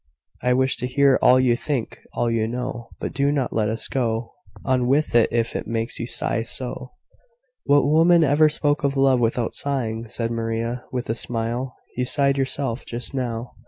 "I wish to hear all you think all you know. But do not let us go on with it if it makes you sigh so." "What woman ever spoke of love without sighing?" said Maria, with a smile. "You sighed yourself, just now."